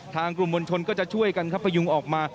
กลุ่มมวลชนก็จะช่วยกันครับพยุงออกมา